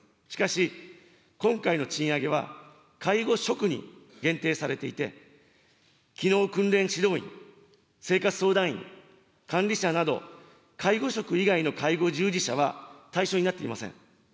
しかし、今回の賃上げは、介護職に限定されていて、機能訓練指導員、生活相談員、管理者など、介護職以外の介護従事者は対象になっておりません。